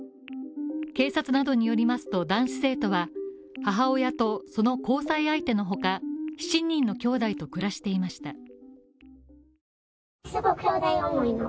警察などによりますと男子生徒は母親とその交際相手のほか、７人の兄弟と暮らしていました。